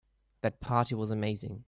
That party was amazing.